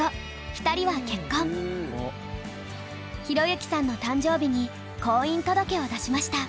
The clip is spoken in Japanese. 寛之さんの誕生日に婚姻届を出しました。